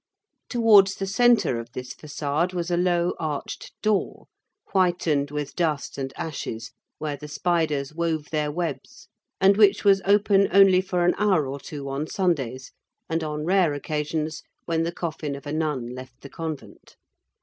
Towards the centre of this façade was a low, arched door, whitened with dust and ashes, where the spiders wove their webs, and which was open only for an hour or two on Sundays, and on rare occasions, when the coffin of a nun left the convent.